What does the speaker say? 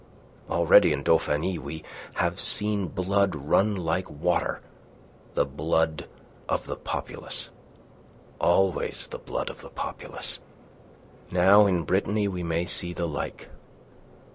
Already in Dauphiny we have seen blood run like water the blood of the populace, always the blood of the populace. Now in Brittany we may see the like.